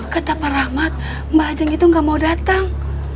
kata pak rahmat mbak ajeng itu gak mau datang